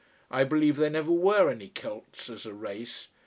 I believe there never were any Celts, as a race.